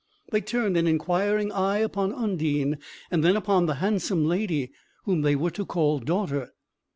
They turned an inquiring eye upon Undine, and then upon the handsome lady whom they were to call daughter.